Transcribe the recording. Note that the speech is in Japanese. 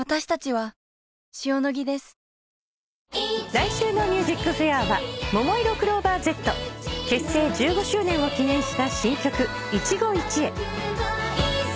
来週の『ＭＵＳＩＣＦＡＩＲ』はももいろクローバーＺ結成１５周年を記念した新曲『いちごいちえ』